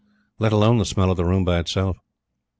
Let alone the smell of the room by itself.